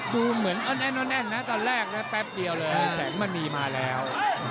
ดูเหมือนนั่นกับแรกน่ะแปปเดี่ยวเลยแสงมันนี่มาแล้ว